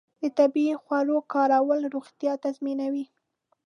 د طبیعي خوړو کارول روغتیا تضمینوي.